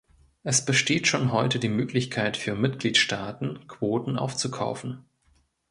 Es besteht schon heute die Möglichkeit für Mitgliedstaaten, Quoten aufzukaufen.